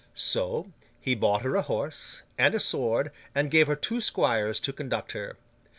So, he bought her a horse, and a sword, and gave her two squires to conduct her.